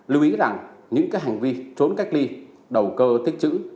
lưu ý rằng những hành vi trốn cách ly đầu cơ tích chữ